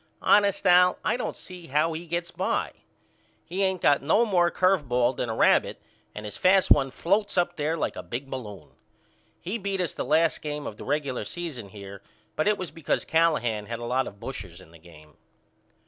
Honest Al I don't see how he gets by. He ain't got no more curve ball than a rabbit and his fast one floats up there like a big balloon. He beat us the last game of the regular season here but it was because Callahan had a lot of bushers in the game.